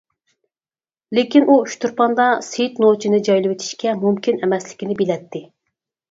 لېكىن، ئۇ ئۇچتۇرپاندا سېيىت نوچىنى جايلىۋېتىشكە مۇمكىن ئەمەسلىكىنى بىلەتتى.